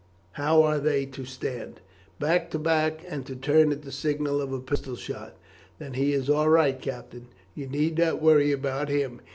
How are they to stand?" "Back to back, and to turn at the signal of a pistol shot." "Then he is all right, Captain. You need not worry about him.